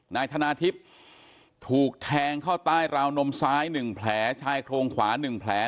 นายธนาทิพย์ถูกแทงเข้าใต้ราวนมซ้าย๑แผลชายโครงขวา๑แผล